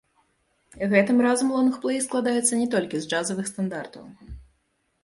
Гэтым разам лонгплэй складаецца не толькі з джазавых стандартаў.